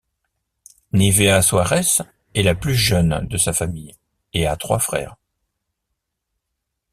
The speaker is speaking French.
Nívea Soares est la plus jeune de sa famille et a trois frères.